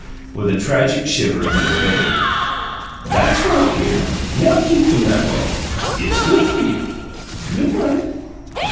With a tragic shiver he obeyed. "THAT'S right, dear! Now, keep them that way. It's good for you. Good night."